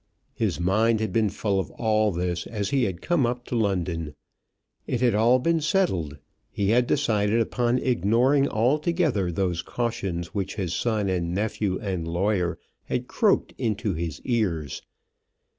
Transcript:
His mind had been full of all this as he had come up to London. It had all been settled. He had decided upon ignoring altogether those cautions which his son and nephew and lawyer had croaked into his ears.